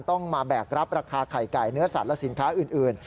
ต้องมาแบกรับราคาไข่ไก่เนื้อสัตว์และสินค้าอื่น